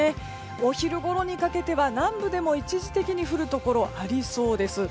お昼ごろにかけては南部でも一時的に降るところありそうです。